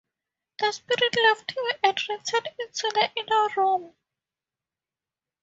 The spirit left him and returned into the inner room.